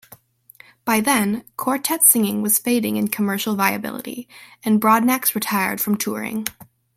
By then, quartet singing was fading in commercial viability, and Broadnax retired from touring.